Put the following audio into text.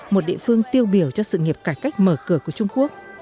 một địa phương tiêu biểu cho sự nghiệp cải cách mở cửa của trung quốc